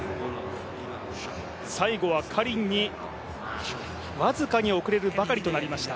最後はカリンに僅かに遅れるばかりとなりました。